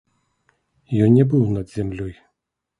Ён не быў над зямлёй.